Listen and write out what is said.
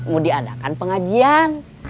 mau diadakan pengajian